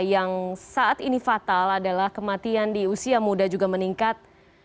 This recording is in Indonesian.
yang saat ini fatal adalah kematian di usia muda juga meningkat